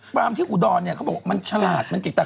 ฟาร์มที่อุดรเนี่ยเขาบอกว่ามันฉลาดมันจริง